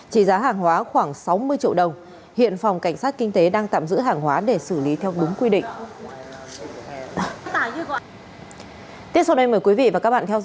trị giá hàng hóa khoảng sáu mươi triệu đồng hiện phòng cảnh sát kinh tế đang tạm giữ hàng hóa để xử lý theo đúng quy định